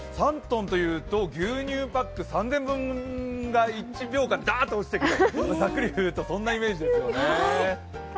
３ｔというと牛乳パック３０００本分が１秒間にだーっと落ちてくるざっくりいうと、そんなイメージですね。